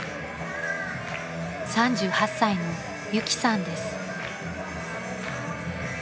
［３８歳のユキさんです］